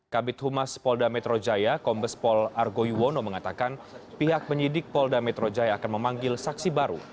kabit humas polda metrojaya kombespol argoiwono mengatakan pihak penyidik polda metrojaya akan memanggil saksi baru